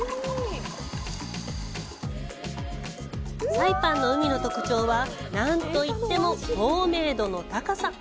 サイパンの海の特徴はなんといっても透明度の高さ！